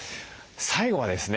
最後はですね